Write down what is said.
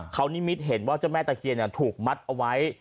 เขานิมิตเห็นว่าเจ้าแม่ตะเคียนถูกมัดเอาไว้